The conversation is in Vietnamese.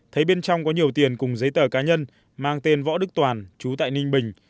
thấy bên trong có nhiều tiền cùng giấy tờ cá nhân mang tên võ đức toàn chú tại ninh bình